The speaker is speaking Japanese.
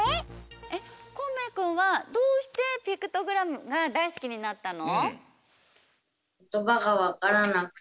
えっこうめいくんはどうしてピクトグラムがだいすきになったの？